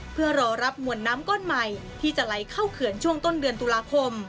เพื่อรอรับมวลน้ำก้อนใหม่ที่จะไหลเข้าเขื่อนช่วงต้นเดือนตุลาคม